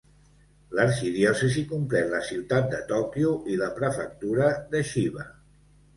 L'arxidiòcesi comprèn la ciutat de Tòquio i la prefectura de Chiba.